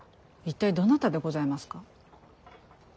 一体どなたでございますか。